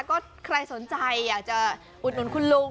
ก็ใครสนใจอยากจะอุดหนุนคุณลุง